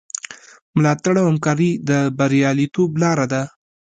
ملاتړ او همکاري د بریالیتوب لاره ده.